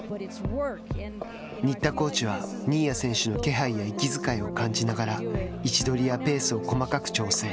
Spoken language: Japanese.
新田コーチは、新谷選手の気配や息遣いを感じながら、位置取りやペースを細かく調整。